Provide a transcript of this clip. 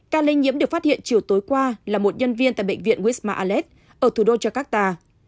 ca lây nhiễm được phát hiện chiều tối qua là một nhân viên tại bệnh viện westm alex ở thủ đô jakarta